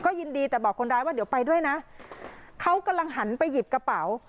ยินดีแต่บอกคนร้ายว่าเดี๋ยวไปด้วยนะเขากำลังหันไปหยิบกระเป๋า